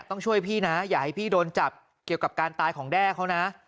ต้องช่วยพี่นะอย่าให้พี่โดนจับเกี่ยวกับการตายของแด้เขานะ